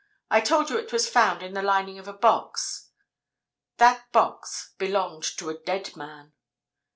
I told you it was found in the lining of a box—that box belonged to a dead man."